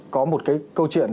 có một cái câu chuyện